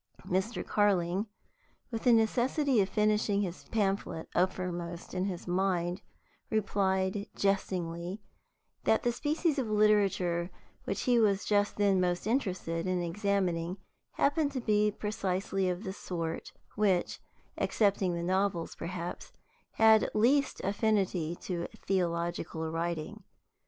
Mr. Carling, with the necessity of finishing his pamphlet uppermost in his mind, replied, jestingly, that the species of literature which he was just then most interested in examining happened to be precisely of the sort which (excepting novels, perhaps) had least affinity to theological writing.